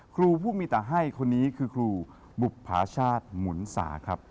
ครูผู้มีแต่ให้คนนี้คือครูบุภาชาติหมุนสาครับ